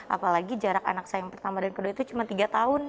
apalagi jarak anak saya yang pertama dan kedua itu cuma tiga tahun